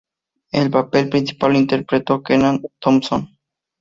El papel principal lo interpretó Kenan Thompson.